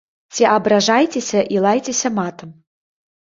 Ці абражайцеся і лайцеся матам.